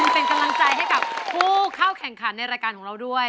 เป็นกำลังใจให้กับผู้เข้าแข่งขันในรายการของเราด้วย